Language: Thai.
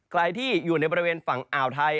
ใครที่อยู่ในบริเวณฝั่งอ่าวไทย